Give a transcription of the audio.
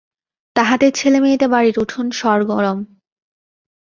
তাহাদের ছেলেমেয়েতে বাড়ির উঠান সরগরম।